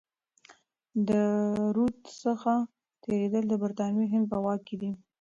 د رود څخه تیریدل د برتانوي هند په واک کي دي.